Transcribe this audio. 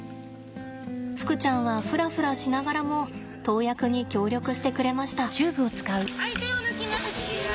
ふくちゃんはフラフラしながらも投薬に協力してくれました。